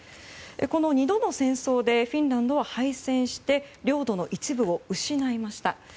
この２度の戦争でフィンランドは敗戦して領土の一部を失いました。